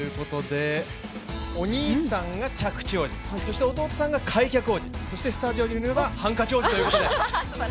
お兄さんが着地王子そして弟さんが開脚王子そして、スタジオにいるのがハンカチ王子ということで。